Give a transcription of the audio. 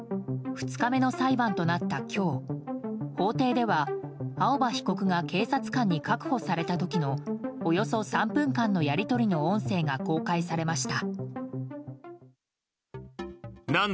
２日目の裁判となった今日法廷では、青葉被告が警察官に確保された時のおよそ３分間のやり取りの音声が公開されました。